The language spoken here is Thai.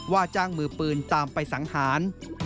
ว่าจ้างมือปืนตามไปสังหาร